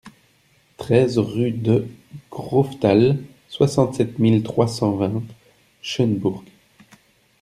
treize rue de Graufthal, soixante-sept mille trois cent vingt Schœnbourg